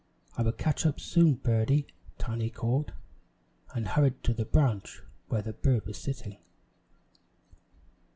"I will catch up soon, birdie!" Tiny called, and hurried to the branch where the bird was sitting.